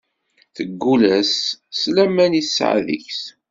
Teggul-as s laman i tesɛa deg-s.